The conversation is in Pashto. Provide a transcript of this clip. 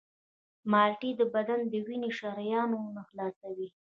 مالټې د بدن د وینې شریانونه خلاصوي.